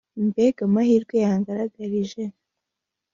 mbega amahirwe yangaragarije